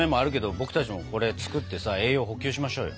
僕たちもこれ作ってさ栄養補給しましょうよ。